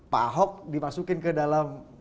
pak ahok dimasukin ke dalam